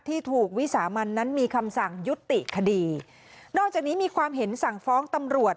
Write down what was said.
ที่ถูกวิสามันนั้นมีคำสั่งยุติคดีนอกจากนี้มีความเห็นสั่งฟ้องตำรวจ